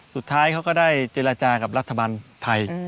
สุดท้ายเขาก็ได้เจรจากับรัฐบาลไทย